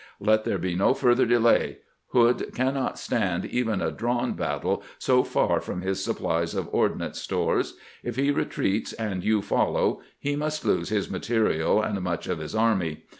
Let there be no further delay. Hood cannot stand even a drawn battle so far from his supplies of ordnance stores. If he retreats, and you follow, he must lose his material and much of his army.